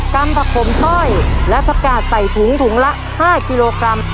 กล้ามผักผมถ้อยและประกาศใส่ถุงถุงละห้ากิโลกรัม